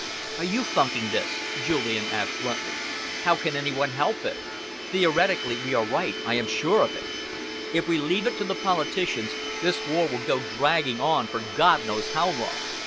"Are you funking this?" Julian asked bluntly. "How can any one help it? Theoretically we are right I am sure of it. If we leave it to the politicians, this war will go dragging on for God knows how long.